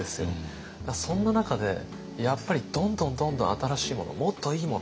そんな中でやっぱりどんどんどんどん新しいものもっといいもの